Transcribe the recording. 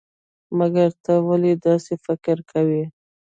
مګر ته ولې داسې فکر کوئ؟